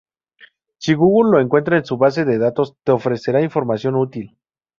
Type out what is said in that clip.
Si Google lo encuentra en su base de datos, te ofrecerá información útil.